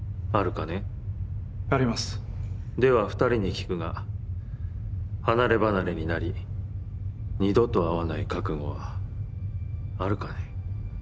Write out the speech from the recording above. では２人に聞くが離れ離れになり二度と会わない覚悟はあるかね？